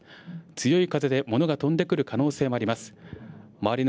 強い風で物が飛んでくる可能性もあります。